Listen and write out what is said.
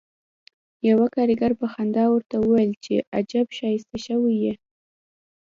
یوه کارګر په خندا ورته وویل چې عجب ښایسته شوی یې